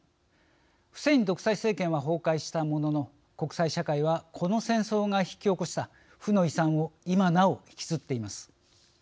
フセイン独裁政権は崩壊したものの、国際社会はこの戦争が引き起こした負の遺産を今なお引きずっています。